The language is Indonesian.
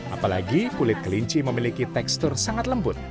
apalagi kulit kelinci memiliki tekstur sangat lembut